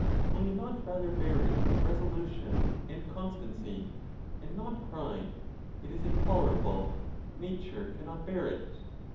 Will you not rather bear it with resolution and constan ON BEARING PAIN. 83 ey? and not ery, It is intolerable; nature cannot bear it!